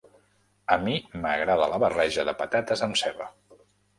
A mi m'agrada la barreja de patates amb ceba.